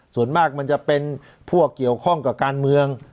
ส่วนมากมันจะเป็นพวกเกี่ยวข้องกับการเมือง